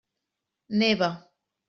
Neva.